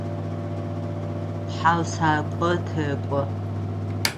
ТхьаусхакӀо тэкӀо.